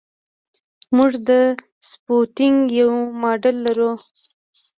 موږ د سپوتنیک یو ماډل لرو